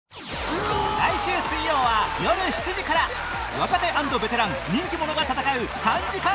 来週水曜はよる７時から若手＆ベテラン人気者が戦う３時間スペシャル！